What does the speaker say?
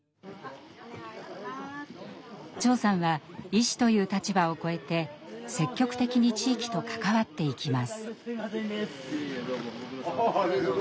長さんは医師という立場をこえて積極的に地域と関わっていきます。